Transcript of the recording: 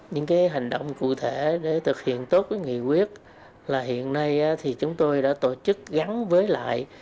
những cái hành động cụ thể để thực hiện tốt cái nghị quyết là hiện nay thì chúng tôi đã tổ chức gắn với lại